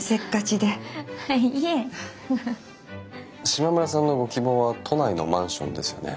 島村さんのご希望は都内のマンションですよね？